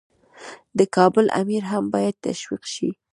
د کابل امیر هم باید تشویق شي.